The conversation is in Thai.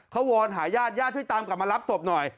เขาวอนหาญาติญาติช่วยตามกลับมารับศพหน่อย